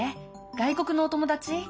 外国のお友達？